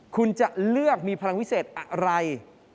คุณจะเลือกมีพลังวิเศษอะไร